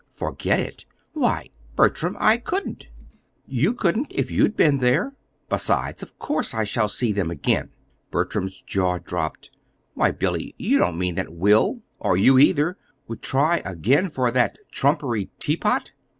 "Forget it! Why, Bertram, I couldn't! You couldn't, if you'd been there. Besides, of course I shall see them again!" Bertram's jaw dropped. "Why, Billy, you don't mean that Will, or you either, would try again for that trumpery teapot!"